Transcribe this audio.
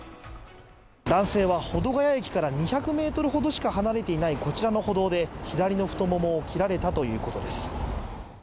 男性は保土ケ谷駅から２００ｍほどしか離れていないこちらの歩道で左の太ももを切られたということです。